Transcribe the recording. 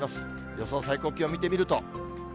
予想最高気温見てみると。